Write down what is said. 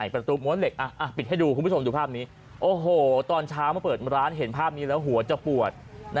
ประตูม้วนเหล็กปิดให้ดูคุณผู้ชมดูภาพนี้โอ้โหตอนเช้ามาเปิดร้านเห็นภาพนี้แล้วหัวจะปวด